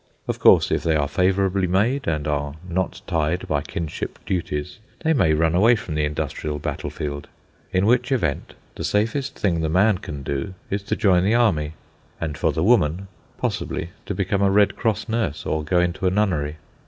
Of course, if they are favourably made and are not tied by kinship duties, they may run away from the industrial battlefield. In which event the safest thing the man can do is to join the army; and for the woman, possibly, to become a Red Cross nurse or go into a nunnery.